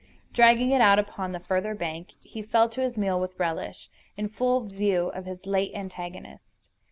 Dragging it out upon the further bank, he fell to his meal with relish, in full view of his late antagonist.